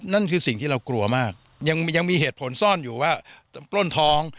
นั่นคือสิ่งที่เรากลัวมากยังมีเหตุผลซ่อนอยู่ว่าปล้นท้อง